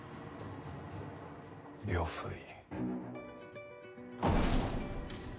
呂不韋。